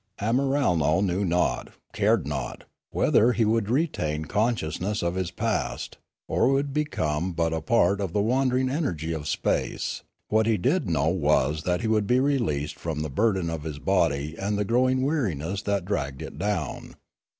Amiralno knew not, cared not, whether he would re tain consciousness of his past, or would become but a part of the wandering energy of space; what he did know was that he would be released from the burden of his body and the growing weariness that dragged it down.